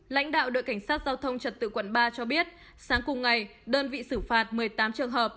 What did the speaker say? lãnh đạo đội cảnh sát giao thông trật tự quận ba cho biết sáng cùng ngày đơn vị xử phạt một mươi tám trường hợp